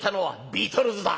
「ビートルズだ。